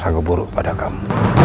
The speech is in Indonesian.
sangat buruk pada kamu